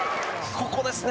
ここですね。